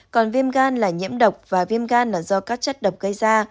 còn viêm gan là nhiễm độc và viêm gan là do các chất độc gây ra